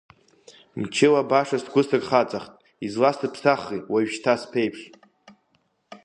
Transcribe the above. Мчыла баша сгәы сырхаҵахт, изласыԥсахри, уажәшьҭа сԥеиԥш?!